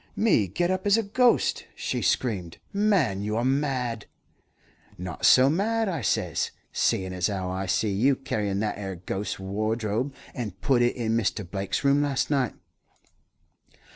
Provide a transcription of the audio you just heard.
"'Me get up as a ghost!' she screamed. 'Man, you are mad.' "'Not so mad,' I says, 'seein' as 'ow I see you carry that 'ere ghost's wardrobe, and put it in Mr. Blake's room last night.'